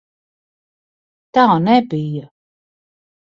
Tā nebija!